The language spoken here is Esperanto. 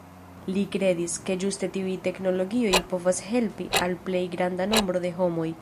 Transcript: Li kredis, ke ĝuste tiuj teknologioj povas helpi al plej granda nombro de homoj.